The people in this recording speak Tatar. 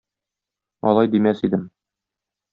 Алай димәс идем.